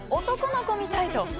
男の子みたい！と。